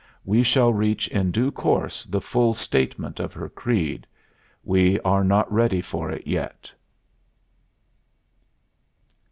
We shall reach in due course the full statement of her creed; we are not ready for it yet.